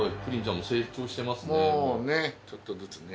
もうねちょっとずつね。